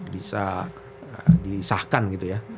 bisa disahkan gitu ya